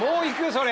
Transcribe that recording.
それ。